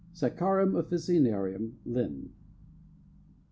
(Saccharum officinarum Lin.)